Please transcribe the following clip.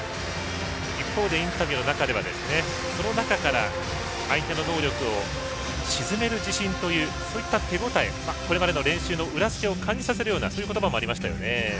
一方でインタビューの中ではその中から相手の能力を沈める自信という手応え練習の裏づけを感じさせるようなそういう言葉もありましたよね。